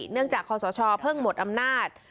เนื่องจากคอสชเพิ่งหมดอำนาจ